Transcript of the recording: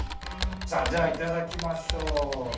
じゃあいただきましょう。